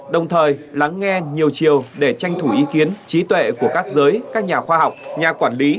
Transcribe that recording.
đồng thời lắng nghe nhiều chiều để tranh thủ ý kiến trí tuệ của các giới các nhà khoa học nhà quản lý